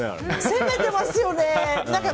攻めてますよね。